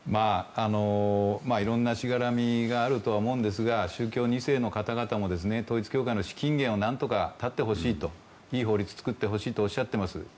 いろんなしがらみがあると思うんですが宗教２世の方たちも統一教会の資金源を断ってほしいといい法律を作ってほしいと願っているわけです。